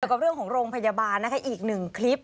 เกี่ยวกับเรื่องของโรงพยาบาลอีก๑คลิป